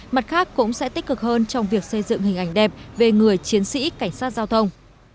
mặt khác cũng sẽ tích cực hơn trong việc xây dựng hình ảnh đẹp về người chiến sĩ cảnh sát giao thông